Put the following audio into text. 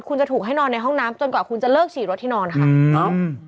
คุณจะถูกให้นอนในห้องน้ำจนกว่าคุณจะเลิกฉีดรถที่นอนค่ะอืม